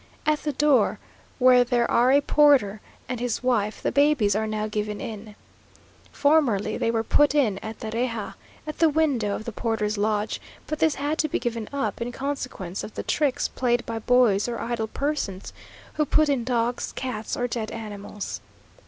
At the door, where there are a porter and his wife, the babies are now given in. Formerly they were put in at the reja, at the window of the porter's lodge; but this had to be given up, in consequence of the tricks played by boys or idle persons, who put in dogs, cats, or dead animals.